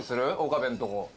岡部んとこ。